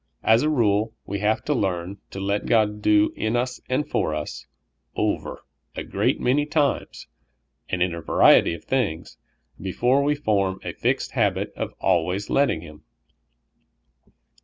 As a rule, we have to learn to '' let God "do in us and for us, over a great many times and in a variety of things, be fore w^e form a fixed habit of always letting Him.